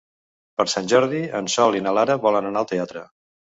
Per Sant Jordi en Sol i na Lara volen anar al teatre.